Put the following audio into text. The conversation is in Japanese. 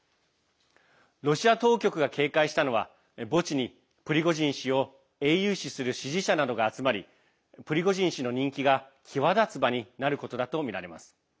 ロシア当局が警戒したのは墓地にプリゴジン氏を英雄視する支持者などが集まりプリゴジン氏の人気が際立つ場になることだとみられます。